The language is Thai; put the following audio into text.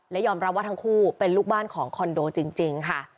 และยอมรับว่าทั้งคู่เป็นลูกบ้านของคอนโดจริงค่ะ